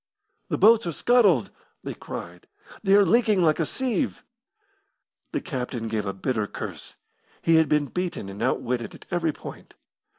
"The boats are scuttled!" they cried. "They are leaking like a sieve." The captain gave a bitter curse. He had been beaten and outwitted at every point.